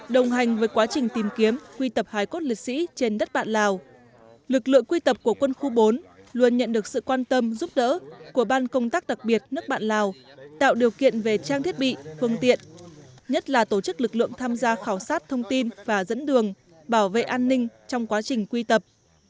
đồng hành với quá trình tìm kiếm quy tập hải cốt liệt sĩ trên đất bạn lào lực lượng quy tập của quân khu bốn luôn nhận được sự quan tâm giúp đỡ của ban công tác đặc biệt nước bạn lào tạo điều kiện về trang thiết bị phương tiện nhất là tổ chức lực lượng tham gia khảo sát thông tin và dẫn đường bảo vệ an ninh trong quá trình quy tập